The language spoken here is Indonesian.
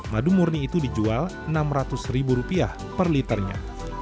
madu murni itu dijual enam ratus ribu rupiah per liternya